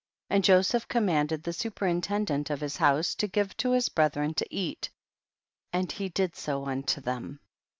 3. And Joseph commanded the superintendant of his house to give to his brethren to eat, and he did so unto them.